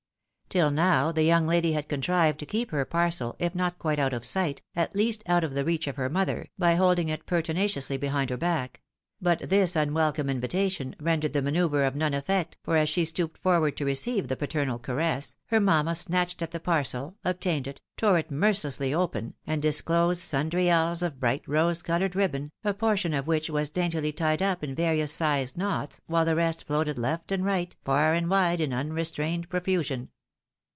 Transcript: Till now the young lady had contrived to keep her parcel, if not quite out of sight, at least out of the reach of her mother, by holding it pertinaciously behind her back ; but this unwelcome invitation, rendered the manceuvre of none effect, for as she stooped forward to receive the paternal caress, her mamma snatched at the parcel, obtained it, tore it mercilessly open, and disclosed sundry ells of bright rose coloured ribbon, a portion of which was daintily tied up in various sized knots, while the rest floated left and right, far and wide, in unrestrained profusion.